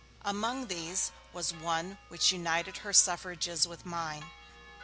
Among these there was one which united her suffrages with mine.